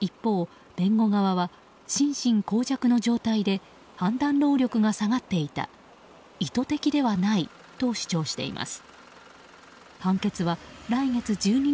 一方、弁護側は心神耗弱の状態で判断能力が下がっていた意図的ではないと主張しています。